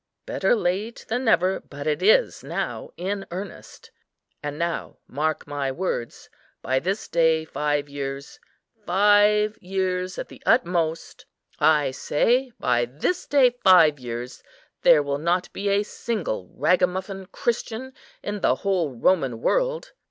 better late than never, but it is now in earnest. And now mark my words, by this day five years, five years at the utmost,—I say by this day five years there will not be a single ragamuffin Christian in the whole Roman world."